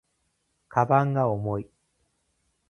鞄が重い